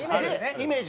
イメージ